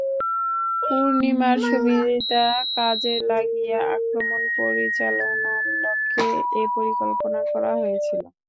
পূর্ণিমার সুবিধা কাজে লাগিয়ে আক্রমণ পরিচালনার লক্ষ্যে এ পরিকল্পনা করা হয়েছিল।